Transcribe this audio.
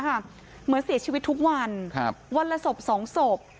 เหมือนเสียชีวิตทุกวันวันละศพ๒ศพ